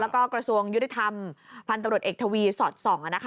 แล้วก็กระทรวงยุติธรรมพันธุ์ตำรวจเอกทวีสอดส่อง